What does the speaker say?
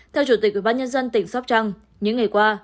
theo chủ tịch ủy ban nhân dân tỉnh sóc trăng những ngày qua